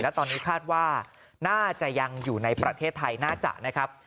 และตอนนี้คาดว่าน่าจะยังอยู่ในประเทศไทยน่าจะนะครับ